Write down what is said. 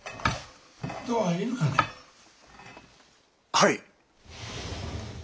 はい。